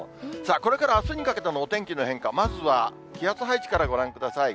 これからあすにかけてのお天気の変化、まずは気圧配置からご覧ください。